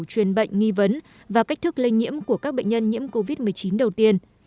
truyền bệnh nghi vấn và cách thức lây nhiễm của các bệnh nhân nhiễm covid một mươi chín đầu tiên